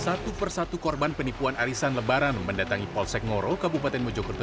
satu persatu korban penipuan arisan lebaran mendatangi polsek ngoro kabupaten mojokerto